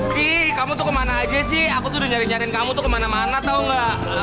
gi kamu tuh kemana aja sih aku tuh udah nyari nyarin kamu tuh kemana mana tau gak